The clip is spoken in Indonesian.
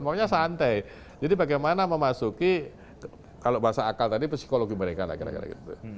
pokoknya santai jadi bagaimana memasuki kalau bahasa akal tadi psikologi mereka lah kira kira gitu